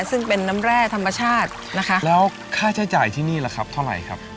ซึ่งเป็นน้ำแร่ธรรมชาตินะคะแล้วค่าใช้จ่ายที่นี่ล่ะครับเท่าไหร่ครับ